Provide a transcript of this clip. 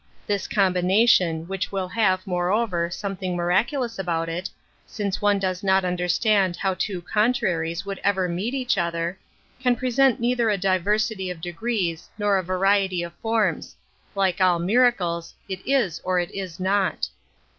This com bination, which will have, moreover, some thing miraculous about it — since one does not understand hiiw two contraries would ever meet each other — can present neither a diversity of degrees nor a variety of forms ; like ail miracles, it is or it is not.